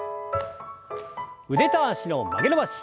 腕と脚の曲げ伸ばし。